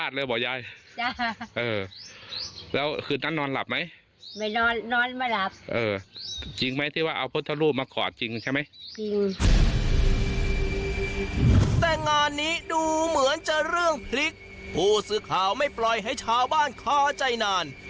แต่งานนี้ดูเหมือนจะเรื่องพลิกผู้สื่อข่าวไม่ปล่อยให้ชาวบ้านคาใจนาน